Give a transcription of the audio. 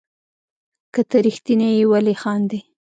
که ته ريښتيني يي ولي خاندي